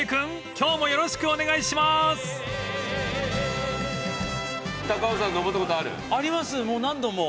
今日もよろしくお願いします］あります。